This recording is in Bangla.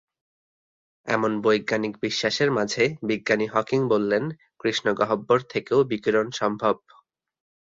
এমন বৈজ্ঞানিক বিশ্বাসের মাঝে বিজ্ঞানী হকিং বললেন কৃষ্ণগহ্বর থেকেও বিকিরণ সম্ভব।